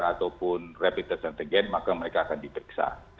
ataupun rapid test antigen maka mereka akan diperiksa